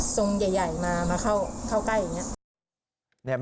ทรงใหญ่มาเข้าใกล้อย่างนี้